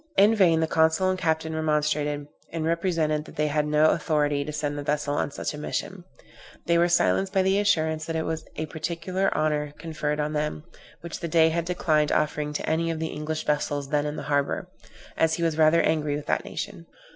In vain the consul and captain remonstrated, and represented that they had no authority to send the vessel on such a mission; they were silenced by the assurance that it was a particular honor conferred on them, which the Dey had declined offering to any of the English vessels then in harbor, as he was rather angry with that nation.